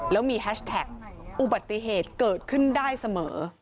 แล้วมีแฮชแท็กอุบัติเหตุเกิดขึ้นได้เสมอ